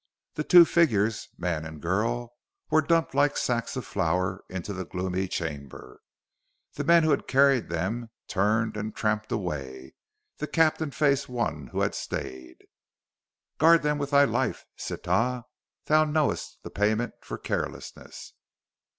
The two figures, man and girl, were dumped like sacks of flour into the gloomy chamber. The men who had carried them turned and tramped away; the captain faced one who had stayed. "Guard them with thy life, Sitah. Thou knowest the payment for carelessness."